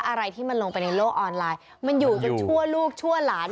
อะไรที่มันลงไปในโลกออนไลน์มันอยู่กันชั่วลูกชั่วหลาน